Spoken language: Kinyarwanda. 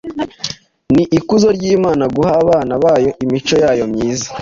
Ni ikuzo ry’Imana guha abana bayo imico yayo myiza